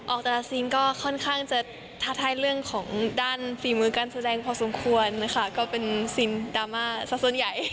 แต่ละซีนก็ค่อนข้างจะท้าทายเรื่องของด้านฝีมือการแสดงพอสมควรนะคะก็เป็นซีนดราม่าสักส่วนใหญ่